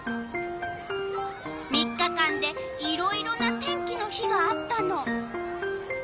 ３日間でいろいろな天気の日があったの。